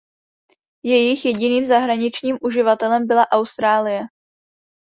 Jejich jediným zahraničním uživatelem byla Austrálie.